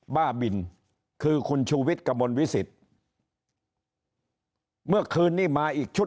บ้าบินคือคุณชูวิดกะบนวิศิตเมื่อกรื่นนี่มาอีกชุด